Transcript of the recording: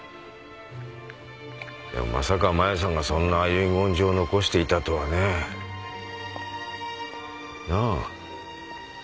でもまさかマユさんがそんな遺言状残していたとはねぇ。なあ？